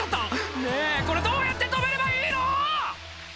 「ねぇこれどうやって止めればいいの⁉」